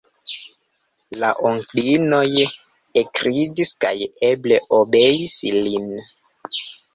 La onklinoj ekridis kaj eble obeis lin.